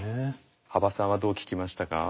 羽馬さんはどう聞きましたか？